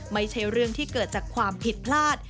ไม่ใช่เรื่องที่เกิดจากความผิดพลาด